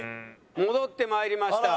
戻ってまいりました。